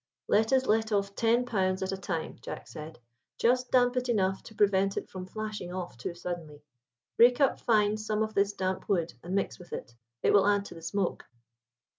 "Let us let off ten pounds at a time," Jack said. "Just damp it enough to prevent it from flashing off too suddenly; break up fine some of this damp wood and mix with it, it will add to the smoke."